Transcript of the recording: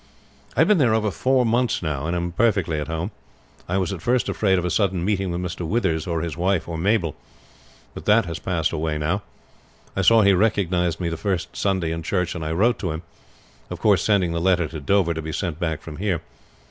"I have been there over four months now, and am perfectly at home. I was at first afraid of a sudden meeting with Mr. Withers, or his wife, or Mabel; but that has passed away now. I saw he recognized me the first Sunday in church, and I wrote to him; of course sending the letter to Dover to be sent back from there.